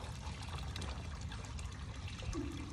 Esta preparación es muy habitual en el Sur de la India.